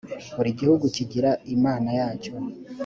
buri gihugu kigira imana yacyo